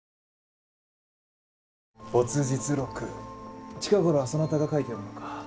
没日録近頃はそなたが書いておるのか？